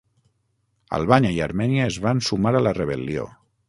Albània i Armènia es van sumar a la rebel·lió.